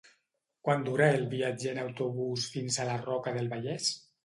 Quant dura el viatge en autobús fins a la Roca del Vallès?